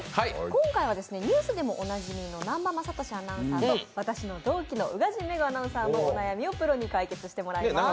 今回はニュースでもおなじみの南波雅俊アナウンサーと私の同期の宇賀神メグアナウンサーのお悩みをプロに解決してもらいます。